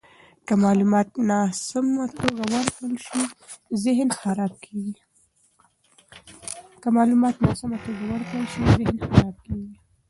که معلومات ناسمه توګه ورکړل شي، ذهن خراب کیږي.